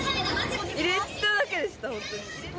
入れただけでした、本当に。